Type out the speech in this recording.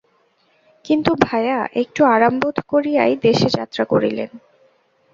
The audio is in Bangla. কিন্তু ভায়া একটু আরাম বোধ করিয়াই দেশে যাত্রা করিলেন।